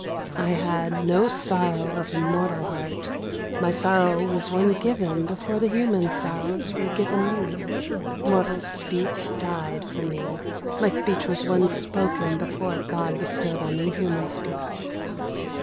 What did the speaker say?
I h^d No sorrow of mortal heart : my sorrow Was one given before the human sorrows Were given me. Mortal speech died From me : my speech was one spoken before God bestowed on me human speech.